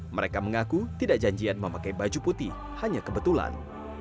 mereka mengaku tidak janjian memakai baju putih hanya kebetulan